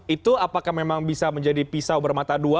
itu apakah memang bisa menjadi pisau bermata dua